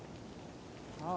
ああ。